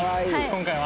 今回は。